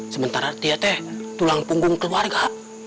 sementara tia teh tulang punggung keluarga